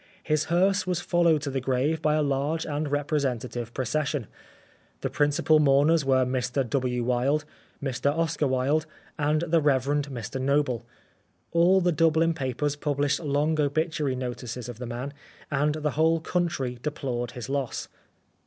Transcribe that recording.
His hearse was followed to the grave by a large and representa tive procession. The principal mourners were Mr W. Wilde, Mr Oscar Wilde, and the Rev. Mr Noble. All the Dublin papers published long obituary notices of the man, and the whole country deplored his loss.